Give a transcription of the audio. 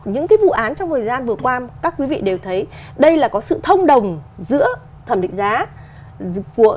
những cái vụ án trong thời gian vừa qua các quý vị đều thấy đây là có sự thông đồng giữa thẩm định giá của